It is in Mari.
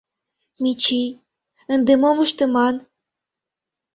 Мичий, ынде мом ыштыман?